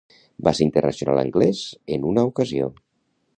Va ser internacional anglès en una ocasió.